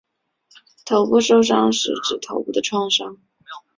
头部受伤是指头部的创伤。